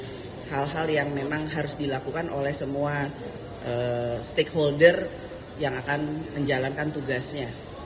jadi ini adalah hal yang memang harus dilakukan oleh semua stakeholder yang akan menjalankan tugasnya